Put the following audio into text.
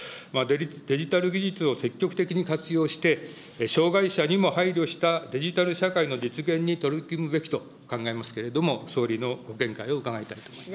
デジタル技術を積極的に活用して、障害者にも配慮したデジタル社会の実現に取り組むべきと考えますけれども、総理のご見解を伺いたいと思います。